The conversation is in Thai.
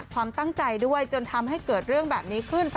พรฟ้าว่าแม่ปุ้ยน่าจะชี้แจ้งรายละเอียดไปเรียบร้อยแล้วนะคะ